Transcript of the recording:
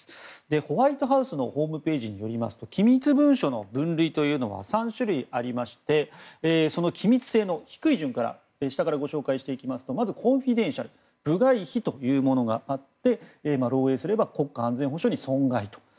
ホワイトハウスのホームページによりますと機密文書の分類というのは３種類ありましてその機密性の低い順からご紹介していきますとまず、コンフィデンシャル部外秘というものがあって漏洩すれば国家安全保障に損害と。